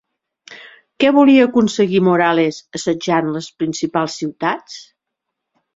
Què volia aconseguir Morales assetjant les principals ciutats?